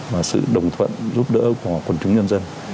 và sự đồng thuận giúp đỡ của quần chúng nhân dân